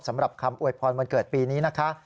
สำหรับคำอวยพรวันเกิดปีนี้นะคะ